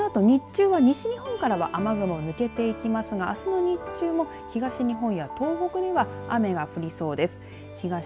そのあと日中は西日本からは雨雲が抜けていきますがあすの日中も東日本や東北には雨が降りそうです。